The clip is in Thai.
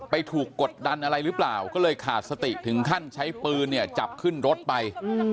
ถูกกดดันอะไรหรือเปล่าก็เลยขาดสติถึงขั้นใช้ปืนเนี่ยจับขึ้นรถไป